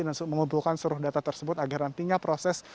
dan mengumpulkan seluruh data tersebut agar nantinya proses